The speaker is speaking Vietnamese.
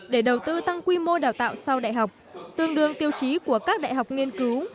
để đầu tư tăng quy mô đào tạo sau đại học tương đương tiêu chí của các đại học nghiên cứu